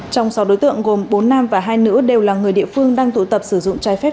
trong sáu đối tượng gồm bốn nam và hai nữ đều là người địa phương đang tụ tập sử dụng trái phép